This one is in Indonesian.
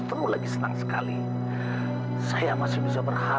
dan mengulangi suara sosial yang ngasih di didalam akun